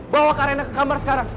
bawa kak raina ke kamar sekarang